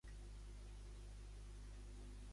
Com considera Aragonès aquesta unió?